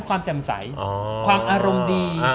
ความจำใสความอารมณ์ดี